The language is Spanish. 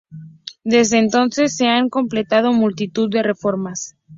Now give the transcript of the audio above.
Desde entonces, se han completado multitud de reformas.